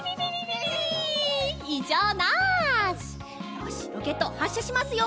よしロケットはっしゃしますよ。